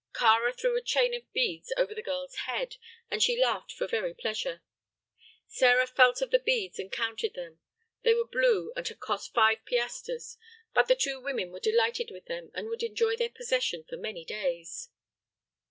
Kāra threw a chain of beads over the girl's head, and she laughed for very pleasure. Sĕra felt of the beads and counted them. They were blue, and had cost five piastres, but the two women were delighted with them and would enjoy their possession for many days.